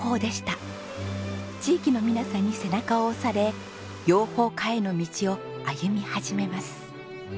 地域の皆さんに背中を押され養蜂家への道を歩み始めます。